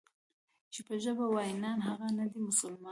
چې په ژبه وای نان، هغه نه دی مسلمان.